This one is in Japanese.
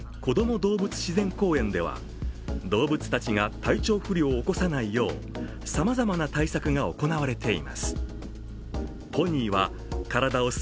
動物自然公園では動物たちが体調不良を起こさないよう、さまざまな対策が行われています。